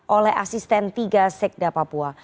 oleh asisten tiga sekda papua